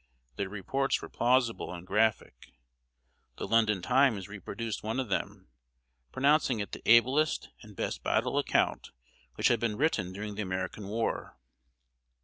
Their reports were plausible and graphic. The London Times reproduced one of them, pronouncing it the ablest and best battle account which had been written during the American war.